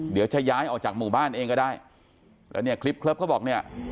เดี๋ยวจะย้ายออกจากหมู่บ้านเองก็ได้แล้วเนี่ยคลิปเลิฟเขาบอกเนี่ย